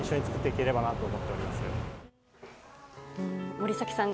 森崎さん